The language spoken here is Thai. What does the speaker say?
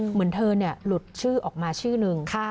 เหมือนเธอหลุดชื่อออกมาชื่อนึง